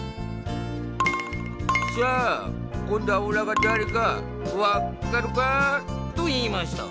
「さあこんどはおらがだれかわっかるか」といいました。